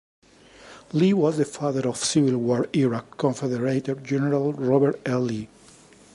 Lee was the father of Civil War-era Confederate general Robert E. Lee.